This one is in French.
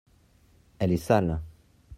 elle est sale.